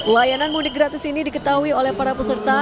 layanan mudik gratis ini diketahui oleh para peserta